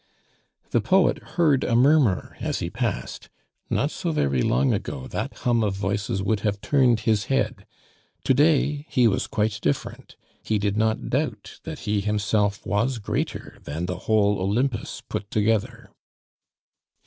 The poet heard a murmur as he passed; not so very long ago that hum of voices would have turned his head, to day he was quite different; he did not doubt that he himself was greater than the whole Olympus put together.